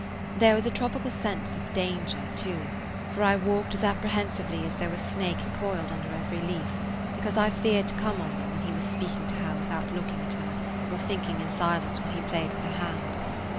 There was a tropical sense of danger, too, for I walked as apprehensively as though a snake coiled under every leaf, because I feared to come on them when he was speaking to her without looking at [Page 136] her or thinking in silence while he played with her hand.